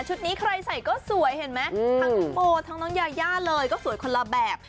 นี้ใครใส่ก็สวยเห็นไหมทั้งน้องโบทั้งน้องยายาเลยก็สวยคนละแบบ